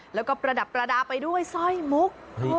แล้วก็ประดับประดาษไปด้วยสร้อยมุก